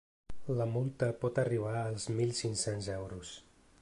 La multa pot arribar als mil cinc-cents euros.